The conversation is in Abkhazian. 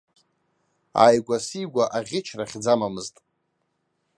Ааигәа-сигәа аӷьычра хьӡы амамызт.